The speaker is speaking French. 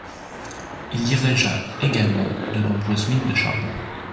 Il dirigea également de nombreuses mines de charbon.